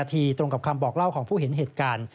ทีตรงกับคำบอกเล่าของผู้เห็นเหตุการณ์